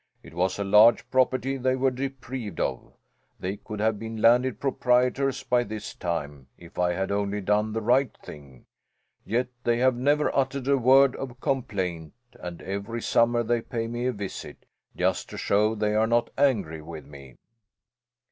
"It was a large property they were deprived of. They could have been landed proprietors by this time if I had only done the right thing. Yet they have never uttered a word of complaint and every summer they pay me a visit, just to show they are not angry with me."